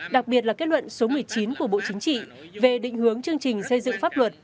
đặc biệt là kết luận số một mươi chín của bộ chính trị về định hướng chương trình xây dựng pháp luật